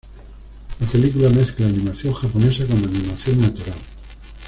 La película mezcla animación japonesa con animación natural.